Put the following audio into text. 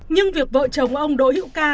nhưng việc vợ chồng ông đỗ hiệu ca